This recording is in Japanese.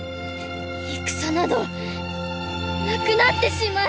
戦などなくなってしまえ！